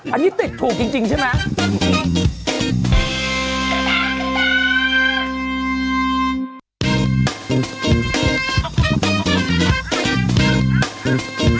อันนี้ติดถูกจริงใช่ไหม